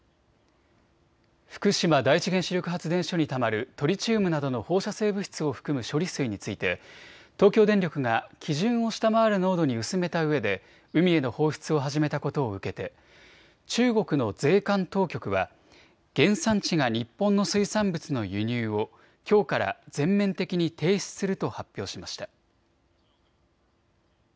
福島第一原子力発電所にたまるトリチウムなどの放射性物質を含む処理水について東京電力が基準を下回る濃度に薄めたうえで海への放出を始めたことを受けて中国の税関当局は原産地が日本の水産物の輸入をきょうから全面的に停止すると発表しました。